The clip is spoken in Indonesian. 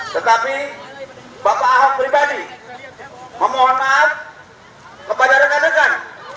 tetapi bapak ahok pribadi memohon maaf kepada rekan rekan